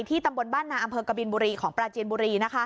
ตำบลบ้านนาอำเภอกบินบุรีของปราจีนบุรี